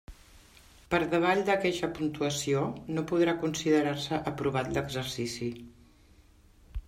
Per davall d'aqueixa puntuació, no podrà considerar-se aprovat l'exercici.